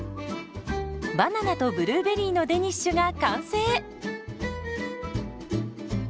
バナナとブルーベリーのデニッシュが完成。